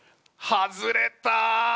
外れた！